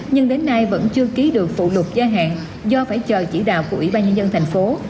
nhưng đến nay vẫn chưa ký được phụ luật gia hạn do phải chờ chỉ đạo của ủy ban nhân dân tp hcm